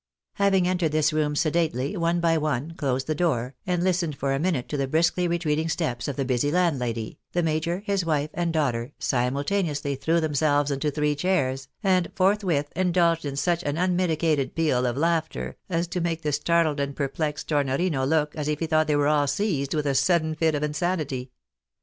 Having entered tliis room sedately, one by one, closed the door, and listened for a minute to the briskly retreating steps of the busy landlady, the major, his wife, and daughter, simultaneously threw themselves into three chairs, and forthwith indulged in such an unmitigated peal of laughter, as to make the startled and perplexed Tornorino look as if he thought they were all seized with a sudden fit of in anity.